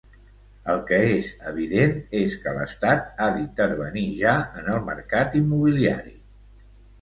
El que és evident és que l'Estat ha d'intervenir ja en el mercat immobiliari.